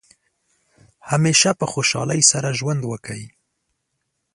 همیشه په خوشحالۍ سره ژوند وکړئ.